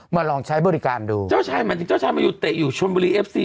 ลองใช้บริการดูเจ้าชายหมายถึงเจ้าชายมาอยู่เตะอยู่ชนบุรีเอฟซี